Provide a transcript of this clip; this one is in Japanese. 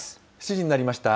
７時になりました。